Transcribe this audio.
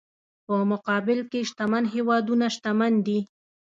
په مقابل کې شتمن هېوادونه شتمن دي.